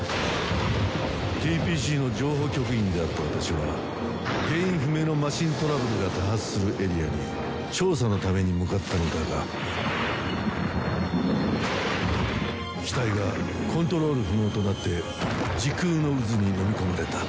ＴＰＣの情報局員であった私は原因不明のマシントラブルが多発するエリアに調査のために向かったのだが機体がコントロール不能となって時空の渦にのみ込まれた。